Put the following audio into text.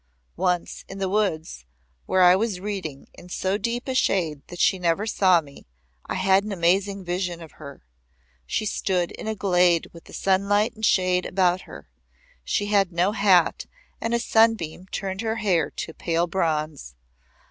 Once, in the woods, where I was reading in so deep a shade that she never saw me, I had an amazing vision of her. She stood in a glade with the sunlight and shade about her; she had no hat and a sunbeam turned her hair to pale bronze.